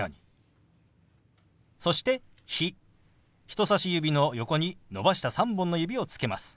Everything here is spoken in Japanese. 人さし指の横に伸ばした３本の指をつけます。